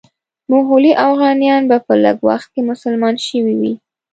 مغولي اوغانیان به په لږ وخت کې مسلمانان شوي وي.